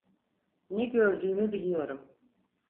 Ne gördüğümü biliyorum.